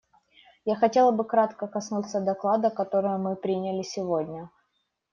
Я хотела бы кратко коснуться доклада, который мы приняли сегодня.